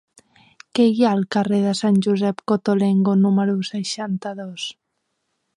Què hi ha al carrer de Sant Josep Cottolengo número seixanta-dos?